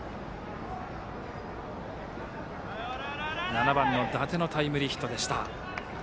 ７番の伊達のタイムリーヒットでした。